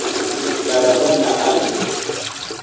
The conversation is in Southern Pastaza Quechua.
Tarawana alim.